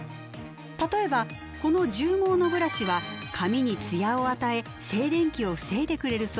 例えばこの獣毛のブラシは髪にツヤを与え静電気を防いでくれるそうです。